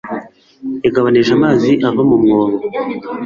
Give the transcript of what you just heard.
Yagabanije amazi ava mu mwobo